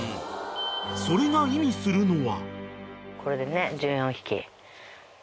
［それが意味するのは］